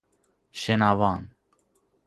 شنوان